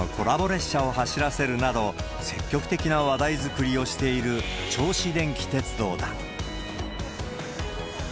列車を走らせるなど、積極的な話題作りをしている銚子電気鉄道だ。